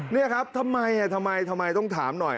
นี่ครับทำไมทำไมต้องถามหน่อย